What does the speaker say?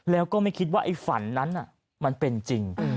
แล้วก็ไม่คิดว่าไอ้ฝันนั้นมันเป็นจริง